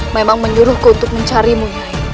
memang menyuruhku untuk mencari mu